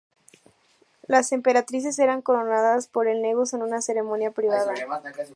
Las emperatrices eran coronadas por el Negus en una ceremonia privada.